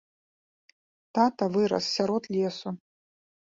Тата вырас сярод лесу.